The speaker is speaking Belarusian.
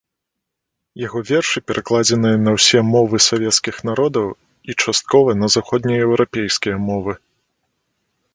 Яго вершы перакладзеныя на ўсе мовы савецкіх народаў і часткова на заходнееўрапейскія мовы.